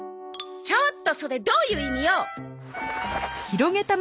ちょっとそれどういう意味よ！